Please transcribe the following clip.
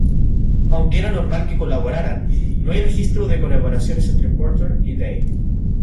Aunque era normal que colaboraran, no hay rastro de colaboraciones entre Porter y Day.